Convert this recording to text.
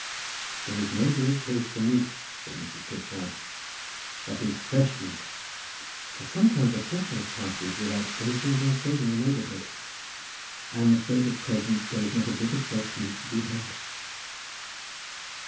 "This is no great place for meat," said Mrs. Pritchard, "that is fresh meat, for sometimes a fortnight passes without anything being killed in the neighbourhood. I am afraid at present there is not a bit of fresh meat to be had.